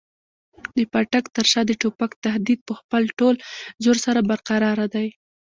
د پاټک تر شا د توپک تهدید په خپل ټول زور سره برقراره دی.